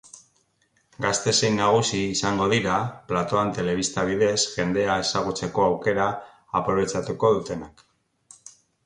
Gazte zein nagusi izango dira platoan telebista bidez jendea ezagutzeko aukera aprobetxatuko dutenak.